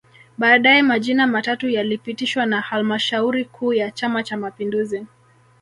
Baadae majina matatu yalipitishwa na halmashauri kuu ya Chama Cha Mapinduzi